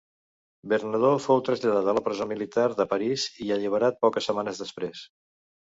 Bernadó fou traslladat a la presó militar de Paris i alliberat poques setmanes després.